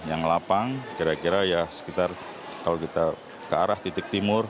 yang lapang kira kira ya sekitar kalau kita ke arah titik timur